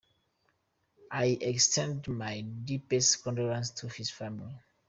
I extend my deepest condolences to his family.